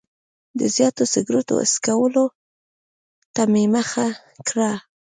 د زیاتو سګرټو څکولو ته مې مخه کړه.